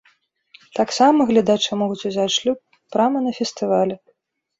Таксама гледачы могуць узяць шлюб прама на фестывалі.